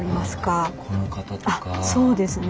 あっそうですね。